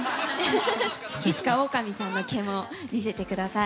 いつかオオカミさんの毛も見せてください。